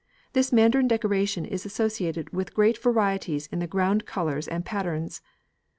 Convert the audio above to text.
This Mandarin decoration is associated with great varieties in the ground colours and patterns.